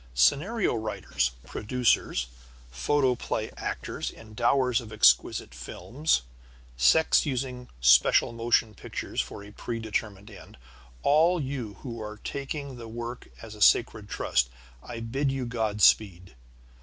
Scenario writers, producers, photoplay actors, endowers of exquisite films, sects using special motion pictures for a predetermined end, all you who are taking the work as a sacred trust, I bid you God speed.